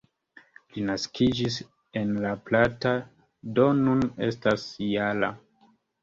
Li naskiĝis en La Plata, do nun estas -jara.